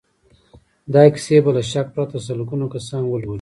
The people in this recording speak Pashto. دا کيسې به له شک پرته سلګونه کسان ولولي.